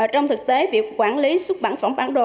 trong thực tế việc quản lý xuất bản phẩm bản đồ